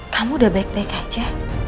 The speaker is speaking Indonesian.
kamu udah baik baik aja